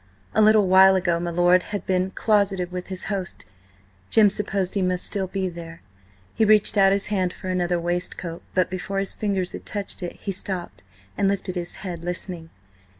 A little while ago my lord had been closeted with his host; Jim supposed he must still be there. He reached out his hand for another waistcoat, but before his fingers had touched it, he stopped, and lifted his head, listening.